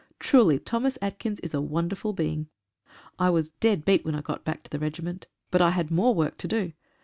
Truly Thomas Atkins is a wonderful being. I was dead beat when I got back to the regiment. 67 AFTER THE BATTLE. but I had more work to do.